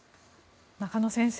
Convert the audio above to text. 中野先生